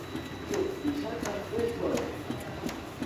Ĉu vi ŝatas bestojn?